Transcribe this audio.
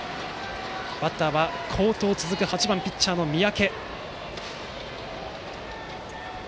バッターは、好投続く８番ピッチャー、三宅。